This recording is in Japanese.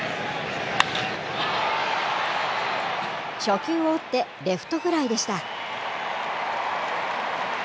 初球を打って、レフトフライでした。